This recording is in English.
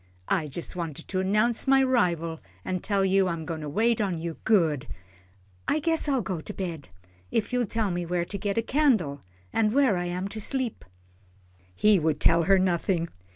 I jus' wanted to 'nounce my 'rival, an' tell you I'm goin' to wait on you good I guess I'll go to bed, if you'll tell me where to get a candle, an' where I'm to sleep." He would tell her nothing.